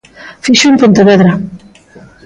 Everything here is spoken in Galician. Fíxoo en Pontevedra.